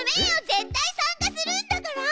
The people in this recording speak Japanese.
絶対参加するんだから。